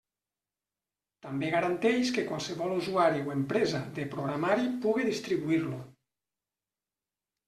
També garanteix que qualsevol usuari o empresa de programari pugui distribuir-lo.